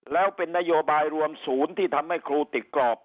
แล้วเป็นนโยบายรวมศูนย์ที่ทำให้ครูติดกรอบ